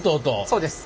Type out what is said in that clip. そうです。